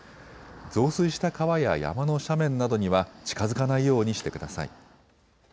増水した川や山の斜面などには近づかないようにしてください。